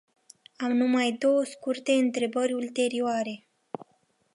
Am numai două scurte întrebări ulterioare.